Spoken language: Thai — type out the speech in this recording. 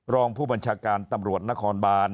รองผู้บัญชาการตำรวจนครบาน